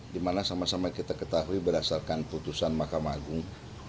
dimana sama sama kita ketahui berdasarkan putusan mahkamah agung